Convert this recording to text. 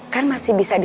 kan masih bisa dihukum